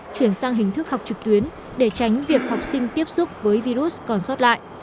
chuyển sang hình thức học trực tuyến để tránh việc học sinh tiếp xúc với virus còn sót lại